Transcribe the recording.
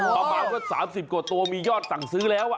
ประมาณว่า๓๐กว่าตัวมียอดสั่งซื้อแล้ว